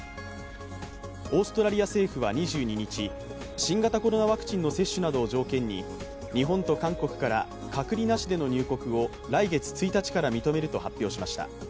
オーストラリア政府は２２日、新型コロナワクチンの接種などを条件に日本と韓国から隔離なしでの入国を来月１日から認めると発表しました。